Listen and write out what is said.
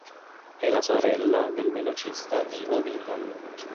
È la sorella del velocista Ivo Vital.